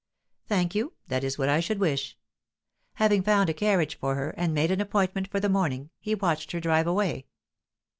"Thank you; that is what I should wish." Having found a carriage for her, and made an appointment for the morning, he watched her drive away.